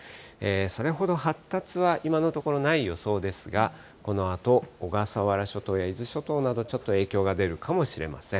それほど発達は今のところ、ない予想ですが、このあと小笠原諸島や伊豆諸島など、ちょっと影響が出るかもしれません。